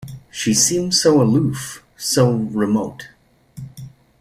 She seems so aloof, so remote.